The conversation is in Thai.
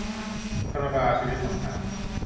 คาราบาว 'ชีวิตสัมพันธ์'